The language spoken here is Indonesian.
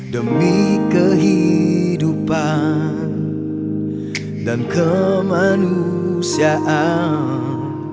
demi kehidupan dan kemanusiaan